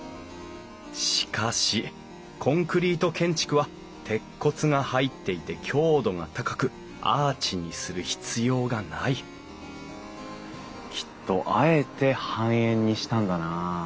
しかしコンクリート建築は鉄骨が入っていて強度が高くアーチにする必要がないきっとあえて半円にしたんだな。